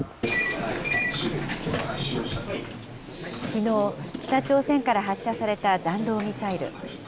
きのう、北朝鮮から発射された弾道ミサイル。